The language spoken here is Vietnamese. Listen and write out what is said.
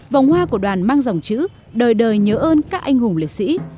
vòng hoa của đoàn mang dòng chữ đời đời nhớ ơn các anh hùng liệt sĩ